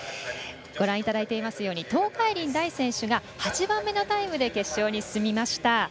ご覧いただいていますように東海林大選手が８番目のタイムで決勝に進みました。